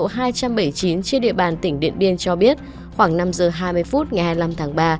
trên địa bàn tỉnh điện biên cho biết khoảng năm h hai mươi phút ngày hai mươi năm tháng ba